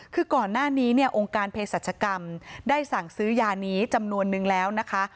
คือก่อนหน้านี้เนี่ยองค์การเพศรัชกรรมได้สั่งซื้อยานี้จำนวนนึงแล้วนะคะ